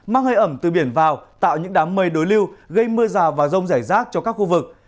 mang hơi ẩm từ biển vào tạo những đám mây đối lưu gây mưa rào và rông rải rác cho các khu vực